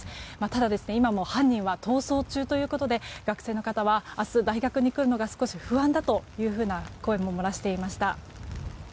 ただ、今も犯人は逃走中ということで学生の方は明日、大学に来るのが少し不安だと話していました。